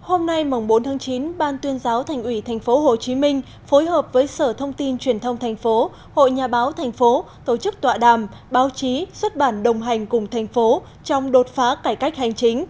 hôm nay mòng bốn tháng chín ban tuyên giáo thành ủy tp hcm phối hợp với sở thông tin truyền thông tp hội nhà báo tp tổ chức tọa đàm báo chí xuất bản đồng hành cùng tp trong đột phá cải cách hành chính